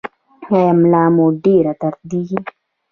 ایا ملا مو ډیره دردیږي؟